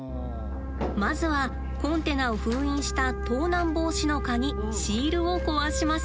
まずはコンテナを封印した盗難防止の鍵シールを壊します。